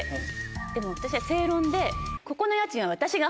でも私は正論で。